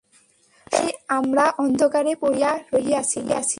সকলেই আমরা অন্ধকারে পড়িয়া রহিয়াছি।